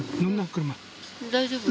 大丈夫？